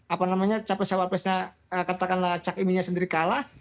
apa namanya capes capesnya katakanlah caiminnya sendiri kalah